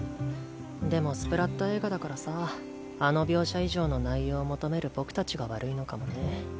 でもスプラッタ映画だからさあの描写以上の内容を求める僕たちが悪いのかもね。